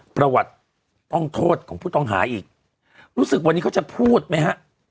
ประวัติต้องโทษของผู้ต้องหาอีกรู้สึกวันนี้เขาจะพูดไหมฮะ